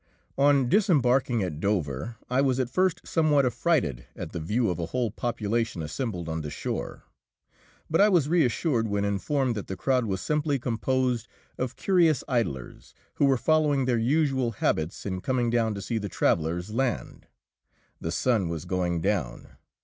On disembarking at Dover I was at first somewhat affrighted at the view of a whole population assembled on the shore. But I was reassured when informed that the crowd was simply composed of curious idlers, who were following their usual habits in coming down to see the travellers land. The sun was going down.